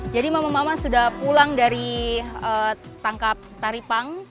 jadi mama mama sudah pulang dari tangkap taripang